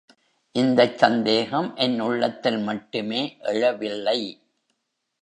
இந்தச் சந்தேகம் என் உள்ளத்தில் மட்டுமே எழவில்லை.